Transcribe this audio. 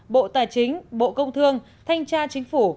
bộ tài chính bộ công thương thanh tra chính phủ